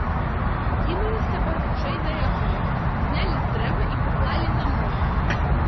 Кінуліся барзджэй да яго, знялі з дрэва і паклалі на мох.